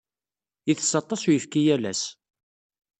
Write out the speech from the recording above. Itess aṭas n uyefki yal ass.